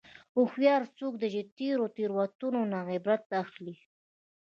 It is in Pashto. هوښیار څوک دی چې د تېرو تېروتنو نه عبرت اخلي.